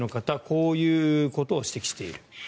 こういうことを指摘している。